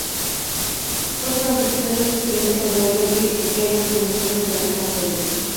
Fue durante sus años de estudiante cuando Jordi Hereu comenzó a vincularse en política.